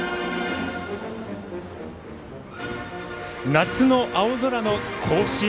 夏の青空の甲子園。